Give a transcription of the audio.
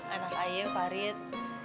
anak ayah farid